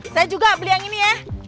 saya juga beli yang ini ya